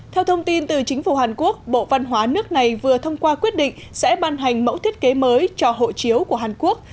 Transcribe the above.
theo thông tin từ chính phủ hàn quốc bộ văn hóa nước này vừa thông qua quyết định sẽ ban hành mẫu thiết kế mới cho hộ chiếu của hàn quốc